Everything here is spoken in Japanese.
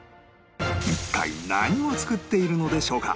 一体何を作っているのでしょうか？